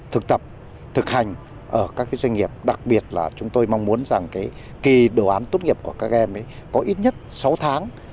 thực tập thực hành ở các doanh nghiệp đặc biệt là chúng tôi mong muốn rằng kỳ đồ án tốt nghiệp của các em ấy có ít nhất sáu tháng